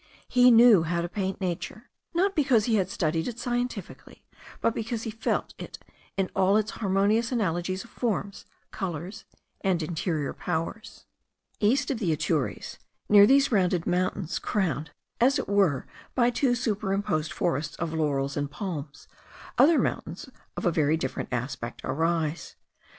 He knew how to paint nature, not because he had studied it scientifically, but because he felt it in all its harmonious analogies of forms, colours, and interior powers. East of the Atures, near these rounded mountains crowned, as it were, by two superimposed forests of laurels and palms, other mountains of a very different aspect arise.